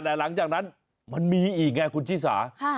แต่หลังจากนั้นมันมีอีกไงคุณชิสา